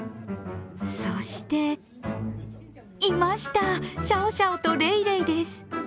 そしていました、シャオシャオとレイレイです。